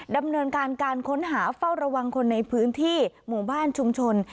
ดำเนินการการค้นหาเฝ้าระวังคนในพื้นที่หมู่บ้านชุมชน